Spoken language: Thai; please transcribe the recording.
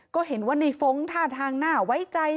ก็เห็นว่าในฟ้องท่าทางน่าไว้ใจ